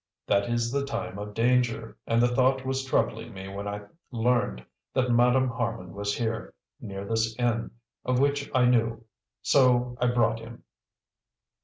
That is the time of danger, and the thought was troubling me when I learned that Madame Harman was here, near this inn, of which I knew. So I brought him."